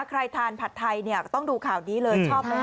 ใครทานผัดไทยเนี่ยก็ต้องดูข่าวนี้เลยชอบไหม